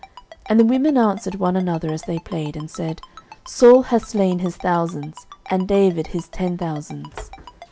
09:018:007 And the women answered one another as they played, and said, Saul hath slain his thousands, and David his ten thousands.